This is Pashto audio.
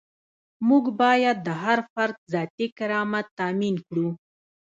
موږ باید د هر فرد ذاتي کرامت تامین کړو.